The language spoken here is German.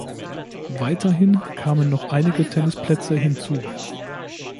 Weiterhin kamen noch einige Tennisplätze hinzu.